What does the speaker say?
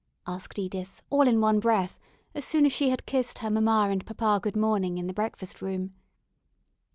asked Edith, all in one breath, as soon as she had kissed her mamma and papa good morning in the breakfast room.